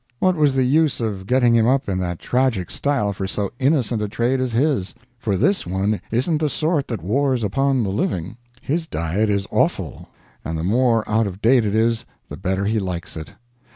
What was the use of getting him up in that tragic style for so innocent a trade as his? For this one isn't the sort that wars upon the living, his diet is offal and the more out of date it is the better he likes it.